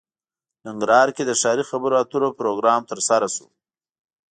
ننګرهار کې د ښاري خبرو اترو پروګرام ترسره شو